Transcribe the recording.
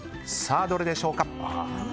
どれでしょうか。